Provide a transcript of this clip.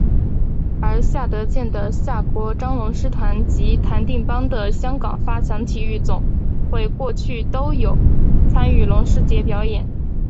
而夏德健的夏国璋龙狮团及谭定邦的香港发强体育总会过去都有参与龙狮节表演。